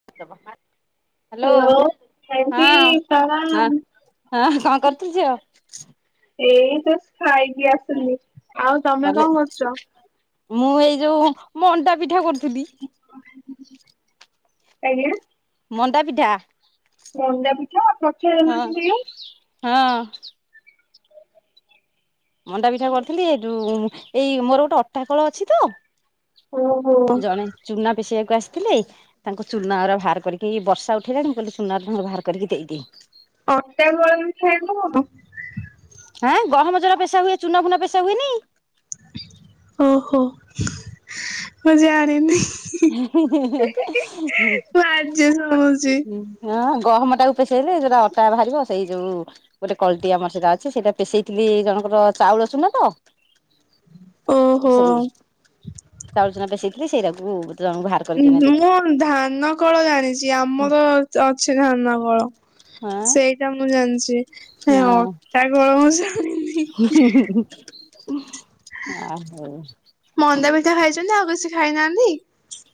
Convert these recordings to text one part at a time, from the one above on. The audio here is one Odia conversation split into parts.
ହଁ। [unintelligible] ହ୍ୟାଲୋ ହଁ ଆଣ୍ଟି ପ୍ରଣାମ। ହଁ କଣ କରୁଥିଲୁ ଝିଅ? ଏ ଜଷ୍ଟ ଖାାଇକି ଆସିଲି। ଆଉ ତମେ କଲେ, କଣ କରୁଛ? ମୁଁ ଏଇ ଯଉ ମଣ୍ଡା ପିଠା କରୁଥିଲି। ଆଜ୍ଞା। ମଣ୍ଡା ପିଠା। ମଣ୍ଡା ପିଠା ଆଉ କଣ? ହଁ ହଁ। ମଣ୍ଡା ପିଠା କରିଥିଲି ହେଟୁ ଏଇ ମୋର ଗୋଟେ ଅଟା କଳ ଅଛି ତ। ଓହୋ ଜଣେ ଚୁନା ପେଷେଇବାକୁ ଆସିଥିଲେ। ତାଙ୍କୁ ଚୁନାଗୁରା ବାହାର କରିକି ବର୍ଷା ଉଠେଇଲାଣି ମୁ କହିଲି ଚୁନା ଅଧା ବାହାର କରିକି ଦେଇଦିଏ। ଅଟା [unintelligible] କଣ? ଆଁ ଗହମ ଯଉରା ପେଶା ହୁଏ ଚୁନା ଫୁନା ପେଶା ହୁଏନି? ଓହୋ ମୁ ଜାଣିନି। ହେ ହେ ହେ ହେ ହଁ ହୁଁ। ମୁଁ ଆଜି ଶୁଣୁଛି ହଁ ଗହମ ଟାକୁ ପଷେଇଲେ ସେଡା ଅଟା ବାହାରିବ ସେଇ ଯୋଉ ଗୋଟେ କଲଟି ଆମର ସେଇଟା ଅଛି ସେଇଟା ପଷେଇଥିଲି ଜଣଙ୍କର ଚାଉଳ ଚୁନା ତ। ଓହୋ। ସେଇ ଚାଉଳ ଚୁନା ପେଶେଇଥିଲି ସେଇରାକୁ ଜଉ ବାହାର କରିକିନା ଦେଲି। ମୁଁ ଧାନ କଳ ଜାଣିଛି ଆମର ଅଛି ଧାନ କଳ। ହଁ ସେଇଟା ମୁଁ ଜାଣିଛି। ହେ ଅଟାକଳ ମୁଁ ଜାଣି ହୁଁ ହୁଁ ହୁଁ ଆଉ ହଉ। ମନ୍ଦା ପିଠା ଖାଇଛନ୍ତି ଆଉ କିଛି ଖାଇନାହାନ୍ତି?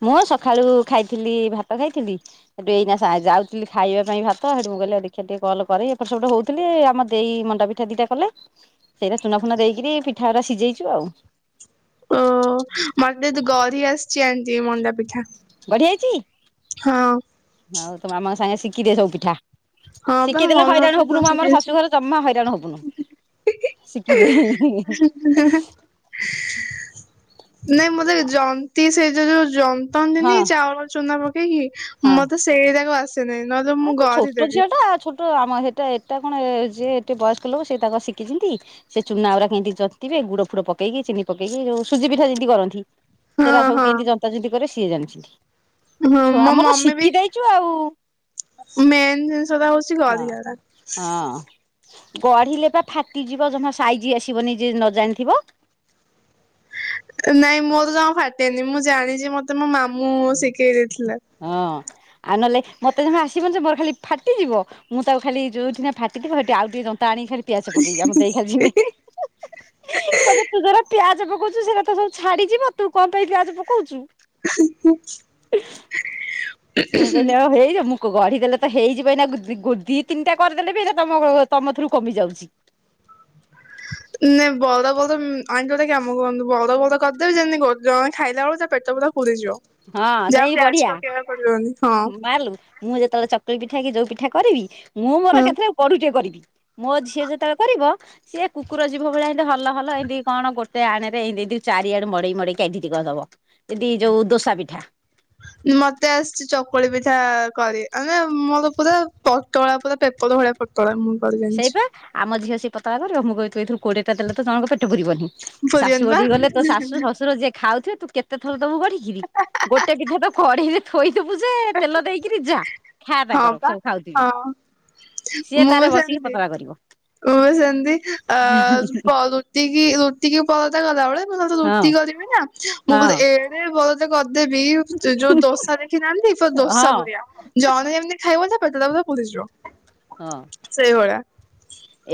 ମୁଁ ସକାଳୁ ଖାଇଥିଲି ଭାତ ଖାଇଥିଲି। ସେଠୁ ଏଇନା ଯାଉଥିଲି ଖାଇବା ପାଇଁ ଭାତ ହେଠୁ ଗଲେ ଦେଖିବା ଟିକେ କଲ କରେ ଏପଟ ସେପଟ ହଉଥିଲି ଆମ ଦେଇ ମଣ୍ଡା ପି ପିଠା ଦିଟା କଲେ ସେଇରା ଚୁନା ଫୁନା ଦେଇକରି ପିଠା ଗୁରା ସିଝେଇଛୁ ଆଉ। ଓ ମତେ ତ ଗରି ଆସିଛି ଆନ୍ତି ମଣ୍ଡା ପିଠା। ଗଢି ଆଇଚି। ହଁ। ହଉ ତ ମାମାଙ୍କ ସାଙ୍ଗେ ଶିଖିଦେ ସବୁ ପିଠା। ହଁ ବା ଶିଖେଇ ମୋ ଦେଲେ ମମି ହଇରାଣ ମୋଠୁ ସବୁ ହବୁନୁ ଆମର ଶିଖିଯାଇଛି। ଶାଶୁ ଘରେ ଜମା ହଇରାଣ ହବୁନୁ। ଶିଖି ଦେଇ ହିଁ ହିଁ। ନାଇଁ ମତେ ଜନ୍ତି ସେଇ ଯ ଯଉ ଜମ ହଁ ନ୍ତିନି ଚାଉଳ ଚୁନା ପକେଇକି ହଁ। ମତେ ସେଇରାଗ ଆସେନାହିଁ ନହେଲେ ଆ ମୁଁ ତ ଗଢ଼ି ଛୋଟ ଝିଅ ଦେବି। ଟା ଛୋଟ ଆମ ସେଟା ଏଟା କଣ ଯିଏ ଏତେ ବୟସ୍କ ଲୋକ ସେ ତାଙ୍କର ଶିଖିଛନ୍ତି। ସେ ଚୁନାଗୁରା କିଇନ୍ତି ଜନ୍ତିବେ ଗୁଡ ଫୁଡ ପକେଇକି ଚିନି ପକେଇକି ଯଉ ସୁଜି ପିଠା ଯେମିତି କରନ୍ତି। ହଁ ସେରା ସବୁ ହଁ। କିନ୍ଦି ଜନ୍ତା ଜୁନ୍ତି କରିବେ ସିଏ ଜାଣିଛନ୍ତି। ହଁ ଛୁଆ ମୋ ଆମର ତ ମମି ଶିଖି ବି ଦେଇଛୁ ଆଉ ମେନ୍ ଜିନିଷ ଟା ହଉଛି ହଁ। ଗଢିବା ଟା। ହଁ ଗଢିଲେ ବା ଫାଟିଯିବ ଜମା ସାଇଜି ଆସିବ ନି ଯିଏ ନ ଜାଣିଥିବ। ନାଇଁ ମୋର ଜମା ଫାଟେନି ମୁଁ ଜାଣିଛି ମତେ ମୋ ମାମୁ ଶିଖେଇ ଦେଇଥିଲେ। ହଁ। ଆଉ ନହେଲେ ମତେ ଜମା ଆସିବନ ଯେ ମୋର ଖାଲି ଫାଟିଯିବ ମୁଁ ତାକୁ ଖାଲି ଯୋଉ ଠିନା ଫାଟିଥିବ ହେଠୁ ଆଉ ଟିକେ ଟାଣିକି ଖାଲି ପ୍ୟାଚ୍ ପକେଇବି। ଆମ ଦେଇ ଖାଲି ଯିବେ କହିବେ ତୁ ଯଉରା ପ୍ୟାଚ୍ ପକଉଚୁ ସେଟା ତ ସବୁ ଛାଡିଯିବ ତୁ କଣ ପାଇଁ ପିଆଜ ପକଉଛୁ। [inaudible] ମୁଁ କହିଲି ଆଉ ହେଇଯାଉ ମୁଁ ଗଢିଦେଲେ ତ ହେଇଯିବ ଏଇନା ଦି ତିନିଟା କରିଦେଲେ ବି ତମ ତମ ଥୁରୁ କମି ଯାଉଛି। [unintelligible] ଖାଇଲା ବେଳୁ ତା ପେଟ ପୁରା ପୁରୀ ଯିବ ଯାହା ହଁ ପିଆଜ ପକେଇବା କରିହବନି ହଁ। ମାରଲୁ ମୁଁ ଯେତେବେଳେ ଚକୁଳି ପିଠା କି ଯୋଉ ପିଠା କରିବି ମୁଁ ମୋର ହଁ ଏକାଥରେ ପଢୁ ଟିଏ କରିବି। ମୋ ଝିଅ ଯେତେବେଳେ କରିବ ସିଏ କୁକୁର ଯିବ ଭଳି ଏମିତି ହଲ ହଲ ଏମିତି କଣ ଗୋଟେ ଆଣ ରେ ଏମିତି ଚାରି ଆଡୁ ମଡେଇ ମଡେଇି ଏଠି ଟିକେ ଦବ। ଯଦି ଯୋଉ ଦୋସା ପିଠା। ମତେ ଆସିଛି ଚକୁଳି ପିଠା କରି ମାନେ ମୋର ପୁରା ପୋଟଳା ପୁରା ପେପର ଭଳିଆ ପତଳା ମୁଁ କରି ଜାଣିଛି। ସେଇପା ଆମ ଝିଅ ସେ ପତଳା କରିବ ମୁଁ କହିଥିଲୁ କୋଡିଏଟା ଦେଲେ ଜଣକ ପେଟ ପୁରିବନି। ଶାଶୁ ଭୁଲିଗଲି ବା ଘଠିକି ଗଲେ ତ ଶାଶୁ ଶଶୁର ଯିଏ ଖାଉଥିବେ ତୁ କେତେ ଥର ତମକୁ ଗଢିକି ଗୋଟେ ପିଠା ତ ଗଢି ଥୋଇଦବୁ ଯେ ତେଲ ଦେଇକିରି ଯା। ଖା ହଁ ତାଙ୍କର ପା ସବୁ ଖାଉଥିବି ହଁ ସିଏ ମୁଁ ତାର ବସିକି ପତଳା କରିବ ମୁଁ ସେମିତି ଆ କରୁ ରୁଟି କି ପରତା କଲାବେଳେ ମୁଁ ତ ରୁଟି ହଁ କରିବି ନା ମୁଁ ହଁ ମୋର ଏ କରିଦେବି ଯୋଉ ଦୋସା ଦେଖିନାହାନ୍ତି ହଁ। ଦୋସା ପରିଆ ଜ ମାନ ଏମତି ଖାଇବ ପେଟା ପୁରା ପୁରିଯିବ। ହଁ। ସେଇ ଭଳିଆ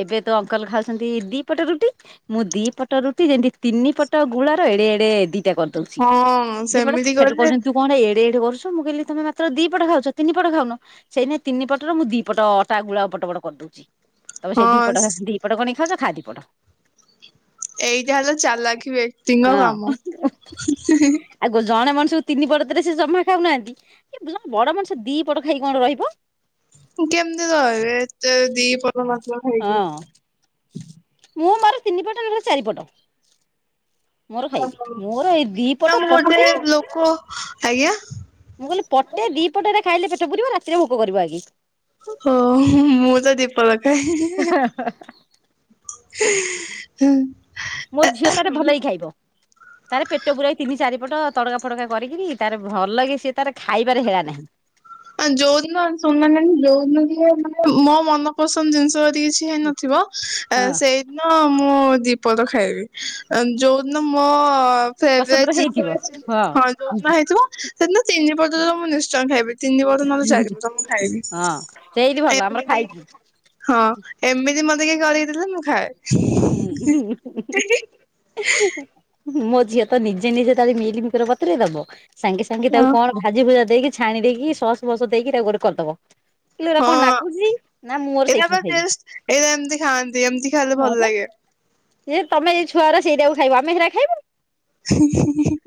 ଏବେ ତ ଅଙ୍କଲ ଖାଉଛନ୍ତି ଦିପଟ ରୁଟି। ମୁଁ ଦି ପଟ ରୁଟି ଯେମିତି ତିନି ପଟ ଗୁଳା ର ଏଡେ ଏଡେ ଦିଟା କରିଦେବି। ହଁ ଦିପଟ ସେମିତି ସେଠୁ କଲେ କହୁଛନ୍ତି ତୁ କଣ ଏଡେ ଏଡେ କରୁଛୁ ମୁଁ କହିଲି ତମେ ମାତ୍ର ଦି ପଟ ଖାଉଛ ତିନିପଟ ଖାଉନ ସେଇନାଇ ତିିନି ପଟର ମୁଁ ଦିପଟ ଅଟା ଗୁଳା ପଟ ପଟ କରିଦଉଛି। ତମ ସେ ଦିପଟ ହଁ ଦିପଟ ଗଣିକି ଖାଉଛ ଖା ଦି ପଟ। ଏଇଟା ହେଲେ ଚାଲାଖି ବ୍ୟକ୍ତିଙ୍କ ହଁ କାମ। ଆଉ ଜଣେ ମଣିଷକୁ ତିନି ପଟ ଦେଲେ ସେ ଜମା ଖାଉନାହାନ୍ତି ବଡ ମଣିଷ ଦିପଟ ଖାଇ କଣ ରହିବ? କେମିତି ରହିବେ ଏତେ ଦିପ ହଁ ମୁଁ ମୋର ତିନି ପଟ ନହେଲୋ ଚାରିପଟ। ମୋର ଏଇ ଦି ପଟ ପଟେ [unintelligible] ଲୋକ ଆଜ୍ଞା ମୁଁ କହିଲି ପଟେ ଦି ପଟରେ ଖାଇଲେ ପେଟ ପୁରିବ ରାତିରେ ଭୋକ କରିବ ଆଗ କି? ଓ ମୁଁ ତ ଦୀପଲଖାଏ। [unintelligible] [unintelligible] ମୋ ଝିଅ ତାର ଭଲେଇ ଖାଇବ। ତାର ପେଟ ପୁରାଇ ତିନି ଚାରିପଟ ତଡକା ଫଡକା କରିକିନି ତାର ଭଲ କି ସିଏ ତାର ଖାଇବାରେ ହେଳା ନାହିଁ। ଯୋଉଦିନ ସୁନା ନାନି ଯୋଉଦିନ ଟିକେ ମାନେ ମୋ ମନ ପସନ୍ଦ ଜିନିଷ କିଛି ହେଇ ନଥିବ ସେଇଦିନ ମୁଁ ଦିପଦ ଖାଇବି ଯୋଉ ନା ମୋ ପସନ୍ଦର ହେଇଥିବ ହଁ ଯୋ ହେଇଥିବ ସେଦିନ ତିନିପଟ ତ ମୁଁ ନିଶ୍ଚୟ ଖାଇବି। ତିନିପଟ ନହେଲେ ଚାରିପଟ ମୁଁ ଖାଇବି। ସେଇଠି ଭଲ ଆମର ଏମତି ଖାଇକି ହଁ ଏମିତି ମତେ କିଏ କରି ଦେଲେ ମୁଁ ଖାଏ। ହୁଁ, ମୋ ଝିଅ ତ ନିଜେ ନିଜେ ତାର ମିଲିମକର ବତରେଇ ଦବ। ସାଙ୍ଗେ ସାଙ୍ଗେ ତାକୁ କଣ ଭାଜି ଭୁଜା ଦେଇକି ଛାଣି ଦେଇକି ସସ୍ ବସ ଦେଇକି ତାକୁ ଗୋଟେ କରିଦବ। କିଲୋ ଏଇଟା କଣ ହଁ ନାଗୁଚି ନା ମୁଁ ମୋର ଏଇଟା ପା ସେଇଥିରେ ଖାଇବି। ଟେଷ୍ଟ ଏଇଟା ଏମତି ଖାଆନ୍ତି ଏମତି ଖାଇଲେ ଭଲ ଲାଗେ। ଯେ ତମେ ଏଇ ଛୁଆ ଉରା ସେଇଟାକୁ ଖାଇବ। ଆମେ ସେଇଟା ଖାଇବୁ। [unintelligible]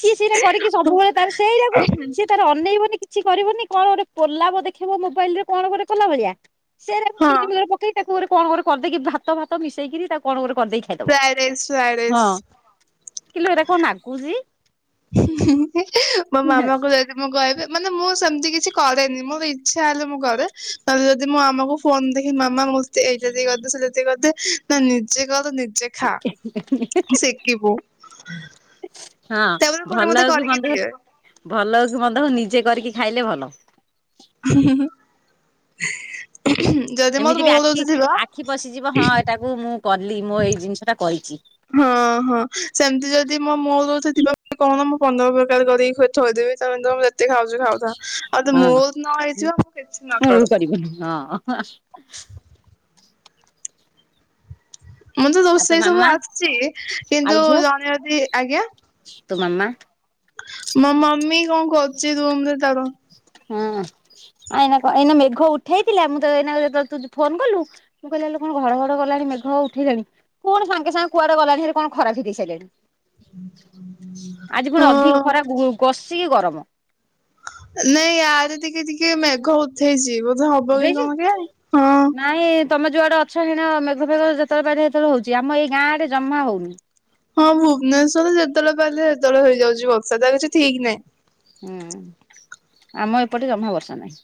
ସିଏ ସେଇଟା କରିକି ସବୁବେଳେ ତାର ସେଇଟାକୁ ସିଏ ତାର ଅନେଇବନି କିଛି କରିବନି କଣ ଗୋଟେ ପୋଲାବ ଦେଖେଇବ ମୋବାଇଲ୍ ରେ କଣ ଗୋଟେ କଲା ଭଳିଆ। ସେଇରା ହଁ ପକେଇକି [unintelligible] ପକେଇ ତାକୁ ଗୋଟେ କଣ କରଦେଇକି ଭାତ ଭାତ ମିଶେଇକିରି ତାକୁ କଣ ଗୋଟେ କରିଦେଇକି ଖାଇଦବ, ଫ୍ରାଏ ରାଇସ୍ ଫ୍ରାଏ ହଁ ରାଇସ୍। କିିଲୋ ଏଟା କଣ ନାଗୁଚି। ମୋ ମାମା କୁ ଯା ମୁଁ କହିବି ମାନେ ମୁଁ ସେମତି କିଛି କରେନି, ମୋର ଇଚ୍ଛା ହେଲେ ମୁଁ କରେ, ନହେଲେ ଯଦି ମୋ ମାମା କୁ ଫୋନ୍ ଦେଖି ମାମା ମୋତେ ଏଇଟା ଟିକେ କରିଦେ, ସେଇଟା ଟିକେ କରିଦେ ନା ନିଜେ କର ନିଜେ ଖା ଶିକିବୁ। ହଁ ତାପରେ ପୁଣି ଭଲ ମୋତେ ହଉ କି କରିକି ମନ୍ଦ ହଉ ଦିଏ। ଭଲ ହଉ କି ମନ୍ଦ ହଉ ନିଜେ କରିକି ଖାଇଲେ ଭଲ। ଯଦି ମୋଡ ମୁଡ ଉଠିଥିବ ତାକୁ ମୁଁ କଲି, ମୋ ଏଇ ଜିନିଷ ଟା କରିଛି। ହଁ, ହଁ ସେମତି ଯଦି ମୋ ମୁଡ ଉଠିଥିବ [inaudible] କହନା ମୁଁ ପନ୍ଦର ପ୍ରକାର କରିକି ଖୁ ଥୋଇ ଦେବି ତୋମେ ତୋମ ଯେତିକି ଖାଉଚ ଖାଉଥା। ହଁ କର ମୁଳୁରୁ କରିବୁନି ହଁ। ମୋତେ ଆଉ ତୋ ସେଇ ସବୁ ମାମା ଆସିଚି, ଏ ଆଉ କିନ୍ତୁ ଝିଅ ଜଣେ ଯଦି ଆଜ୍ଞା, ତୋ ମାମା ମୋ ମମି କଣ କରୁଚି ରୁମ୍ ରେ ତାର। ହଁ ଅଁ, ଏଇନା କ-ଏଇନା ମେଘ ଉଠେଇଥିଲା ମୁଁ ତ ଏଇନା ଏ ତ ତୁ ଯୋ ଫୋନ୍ କଲୁ। ମୁଁ କହିଲି ଆଲୋ କଣ ଘଡ ଘଡ କଲାଣି ମେଘ ଉଠେଇଲାଣି। ପୁଣି ସାଙ୍ଗେ ସାଙ୍ଗେ କୁଆଡେ ଗଲାଣି ହେରେ କଣ ଖରା ଫିଟେଇ ସାଇଲାଣି। ଆଜି ପୁଣି ଅଧିକ ହଁ ଖରା ଗୁ- କଷିକି ଗରମ। ନାଇଁ ଇଆଡେ ଟିକେ ଟିକେ ମେଘ ଉଠେଇଚି ବୋଧେ ହବ କି କଣ କେଇଆଣି। ହଁ। ତୋମେ ଯୁଆଡେ ଅଛ ସେଣେ ମେଘ ଫେଗ ଯେତେଳ ପାରି ସେତେଳେ ହଉଚି। ଆମ ଏଇ ଗାଁ ଆଡେ ଜମା ହଉନି। ହଁ ଭୁବନେଶ୍ବର ରେ ଯେତେବେଳେ ପାଇଲେ ସେତେବେଳେ ହେଇଯାଉଚି ବର୍ ହୁଁ, ଆମ ଏପଟେ ଜମା ବର୍ଷା ନାହିଁ।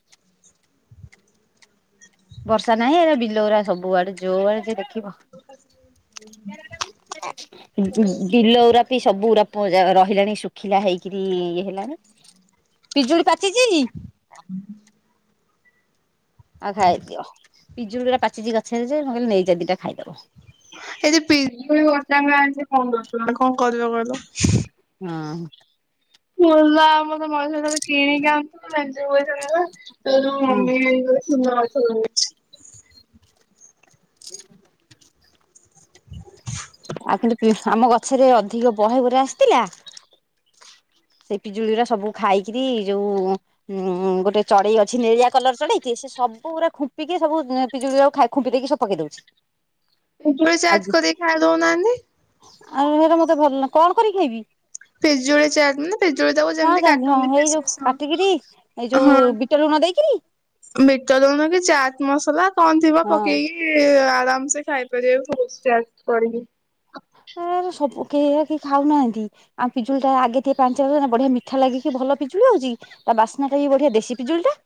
ବର୍ଷା ନାହିଁ ଏଟା ବିଲଉରା ସବୁ ଆଡେ ଯୋଉ ଆଡେ ଯିଏ ଦେଖିବ। ଠିକ୍ ଅଛି। [unintelligible] ବିଲ ଉୁରା ପି ସବୁ ଉରା ପ-ଯା- ରହିଲାଣି ଶୁଖିଲା ହେଇକିରି ଇଏ ହେଲାଣି। ପିଜୁଳି ପାଚଚି? ଉଁ, ହୁଁ। ଆଉ ଖାଇଦିଅ, ପିଜୁଳି ଉଡା ପାଚିଚି ଗଛରେ ଯେ ମୁଁ କହିଲି ନେଇ ଯା ଦିଟା ଖାଇଦବୁ। ଏଇ ଯେ ପିଜୁଳି ଗଛ ହେଙ୍କା ଆଣିଛି ପନ୍ଦର ଟଙ୍କାରେ। କଣ କରିବ କହିଲ? ହୁଁ। ମଲା ଆମ ସେ ମଣିଷ ଖାଲି କିଣିକି ଆଣଥୁବୁ ନା ଯୋ ଏ କିଣା ହେଲା। ତୋ ଯୋଉ ମମି ନେଇଗଲେ ଚୁନାମାଛ ବନେଇବେ। [inaudible] ଆଉ କିନ୍ତୁ ପି-ଆମ ଗଛରେ ଅଧିକ ବହେଗୁରା ଆସିଥିଲା। ସେ ପିଜୁଳିରା ସବୁ ଖାଇକିରି ଯୋଉ ଉଁ, ଉଁ, ଗୋଟେ ଚଡେଇ ଅଛି ନିଳିଆ କଲର୍ ଚଢେଇଟି ସିଏ ସବୁ ପୁରା ଖୁମ୍ପିକି ସବୁ ଏଁ, ପିଜୁଳି ଯାକ ଖା -ଖୁମ୍ପି ଦେଇକି ସବୁ ପକେଇ ଦଉଛି। ପିଜୁଳି ଚାଟ୍ ଆଉ କରିକି ଖାଇ ଦଉ ନାହାନ୍ତି। ଆଉ ସେଟା ମୋତେ ଭଲ, କଣ କରି ଖାଇବି? ପିଜୁଳି ଚାଟ୍ ନା। ପିଜୁଳି ଟାକୁ ହଁ ଯେମତି ଯାଇଁଲି ହଁ କାଟନ୍ତି ହେଇ ପିସ୍ ଯୋଉ ପିସ୍ ହଁ କାଟିକିରି ଏଇ ଯୋଉ ବିଟ ଲୁଣ ଦେଇକିରି ହଁ। ବିଟ ଲୁଣ କି ଚାଟ ମସଲା କଣ ଥିବ ହଁ ପକେଇକି ଆରାମସେ ଖାଇ [unintelligible] ଚାଟ୍ କରିବି। ଏ ସବୁ ଏରା କେହି ଖାଉନାହାନ୍ତି। ଆମ ପିଜୁଳି ଟା ଆଗେ ଟିକେ ପାଞ୍ଚି ବଢିଆ ମିଠା ଲାଗିକି ଭଲ ପିଜୁଳି ଆଉଛି। ତା ବାସ୍ନା ଟା ବି ବଢିଆ ଦେଶୀ ପିଜୁଳି ଟା।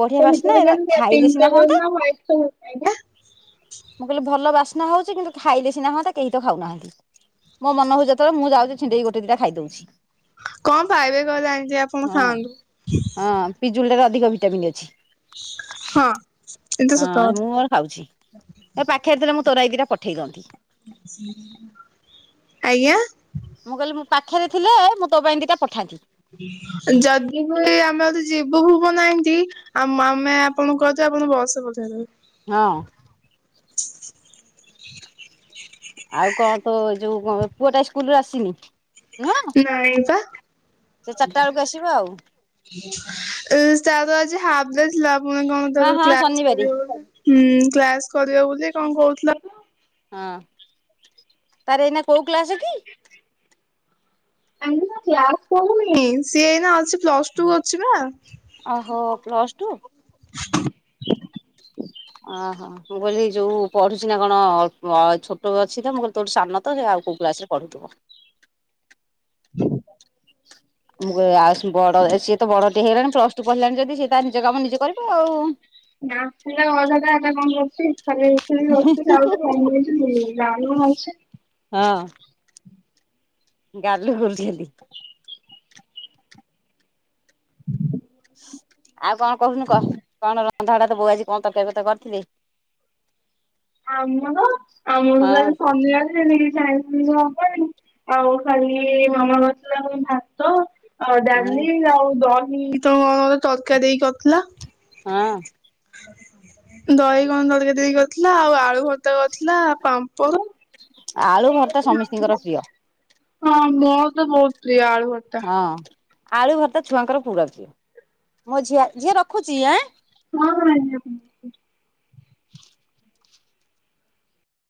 ବଢିଆ ତା ବାସନା ଭିତରେ ଏରା କେମିତି ଖାଇଲେ ପିଙ୍କ୍ ସିନା କଲର ହଅନ୍ତା। ନା ହ୍ୱାଇଟ୍ କଲର? ଆଜ୍ଞା ମୁଁ କହିଲି ଭଲ ବାସ୍ନା ହଉଛି କିନ୍ତୁ ଖାଇ ସିନ ହଅନ୍ତା କେହି ତ ଖାଉନାହାନ୍ତି ମୋ ମନ ହଉଚି ଯେତେବେଳେ ମୁଁ ଯାଉଛି ଛିଣ୍ଡେଇକ ଗୋଟେ ଦିଟା ଖାଇ ଦଉଛି। କଣ ପାଇବେ କହିଲେ ଆଣ୍ଟୀ ଆପଣ ହଁ। ଖାଆନ୍ତୁ। ହଁ ପିଜୁଳି ରେ ଅଧିକ ଭିଟାମିନ୍ ଅଛି। ହଁ। ଏଇତ ହଁ ସତ ମୁଁ କଥା ମୋର ଖାଉଛି ଏ ପାଖରେ ଥିଲା ମୁଁ ତୋ ଲାଗି ଦିଟା ପଠେଇ ଦିଅନ୍ତି। ଆଜ୍ଞା। ମୁଁ କହିଲି ମୁଁ ପାଖରେ ଥିଲେ ମୁଁ ତୋ ପାଇଁ ଦିଇଟା ପଠାନ୍ତି। ଯଦି ବି ଆମେ ଯଦି ଯିବୁ ଭୁବନ ଏନ୍ତି ଆଉ ମମେ ଆପଣଙ୍କୁ କହିଦେବୁ ଆପଣ ବସରେ ପଠେଇ ଦେବେ। ହଁ। ଆଉ କଣ ତୋ ଯୋଉ ପୁଅଟା ସ୍କୁଲୁରୁ ଆସିନି ନୁହଁ। ନାଇଁ ପା। ସେ ଚାରିଟା ବେଳକୁ ଆସିବ ଆଉ। ଏ ତାର ଆଜି ହାପ ଡେ ଥିଲା ପୁଣି କଣ ହଁ ତାର ହଁ କ୍ଲାସ ଶନିବାରେ କରିବ ବୋଧେ। ହୁଁ କ୍ଲାସ କରିବ ବୋଲି କଣ କହୁଥିଲା ତ। ହଁ ତାର ଏଇନା କୋଉ କ୍ଲାସ କି? ଏନେକା କ୍ଲାସ କରୁନି ସିଏ ଏଇନା ଅ ଲଛି ପ୍ଲସ ଟୁ ଅଛି ପା। ଓହୋ ପ୍ଲସ ଟୁ? ଓ ହୋ। ମୁଁ କହିଲି ଯୋଉ ପଢୁଛି ନା କଣ ଛୋଟ ଅଛି ତ ମୁଁ କହିଲି ତୋଠୁ ସାନ ତ ଆଉ କୋଉ କ୍ଲାସ ରେ ପଢୁଥିବ। ହ [inaudible] ମୁଁ କହିଲି ଆଉ ବଡ ସିଏ ତ ବଡ ଟେ ହେଇଲାଣି ପ୍ଲସ ଟୁ ପଢ଼ିଲାଣି ଯଦି ସିଏ ତା ନିଜ କାମ ନିଜେ କରିବ ଆଉ। [unintelligible] [unintelligible] ହଁ। ଗାଲୁ କରୁଛି ଖାଲି। ଆଉ କଣ କହୁନୁ କହ କଣ ରନ୍ଧାବଢ଼ା ତ ବୋଉ ଆଜି କଣ ତରକାରୀ ପତ୍ର କରିଥିଲେ? ଆମର ଆମର ହଁ [unintelligible] ଶନିବାରେ [unintelligible] [unintelligible] ଆଉ ଖାଲି ମାମା କରିଥିଲା ଭାତ। ଆଉ ଡାଲି ହଁ ଆଉ ଦହି ତ ତଡକା ଦେଇକି କରିଥିଲା। ହଁ। ଦହି କଣ ତଡକା ଦେଇ କରିଥିଲା ଆଉ ଆଳୁଭର୍ତା କରିଥିଲା ପା ମ୍ପଡ ଆଳୁ ଭର୍ତା ସମି଼ସ୍ତିଙ୍କର ପ୍ରିୟ। ହଁ ମୋର ତ ବହୁତ ପ୍ରିୟ ଆଳୁଭର୍ତା। ହଁ ଆଳୁ ଭର୍ତା ଛୁଆଙ୍କର ପୁରା ପ୍ରିୟ ମୋ ଝିଅ ଝିଅ ରଖୁଛି ଆଁ। ହଁ ହଁ ଆଣ୍ଟୀ ରଖ